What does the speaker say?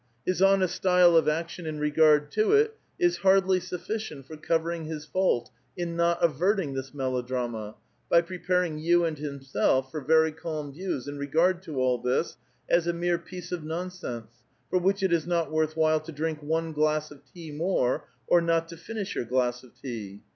His honest stjle of action in regard to it is liai'dly sufficient for covering his fault in not averting this melodrama, by preparing 3*ou and himself for very calm views in regaixl to all this, as a mere piece of nonsense, for which it is not worth while to. drink one glass of tea more, or not to finish your glass of tea.